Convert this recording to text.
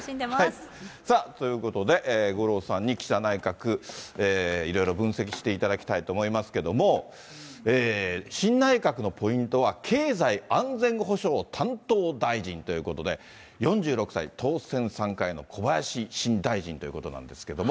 さあ、ということで、五郎さんに岸田内閣、いろいろ分析していただきたいと思いますけれども、新内閣のポイントは、経済安全保障担当大臣ということで、４６歳当選３回の小林新大臣ということなんですけれども。